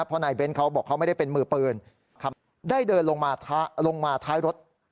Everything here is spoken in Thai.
เพราะนายเบ้นเขาบอกเขาไม่ได้เป็นมือปืนได้เดินลงมาลงมาท้ายรถ